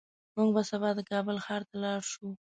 موږ به سبا د کابل ښار ته لاړ شو